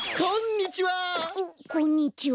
こんにちは！